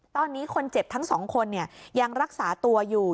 ตอนนี้คนเจ็บทั้งสองคนยังรักษาตัวอยู่